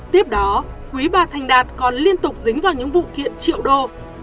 tiếp đó quý bà thành đạt còn liên tục dính vào những vụ kiện triệu đô